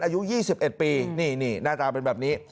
อายุ๒๑ปีนี่หน้าตาเป็นแบบนี้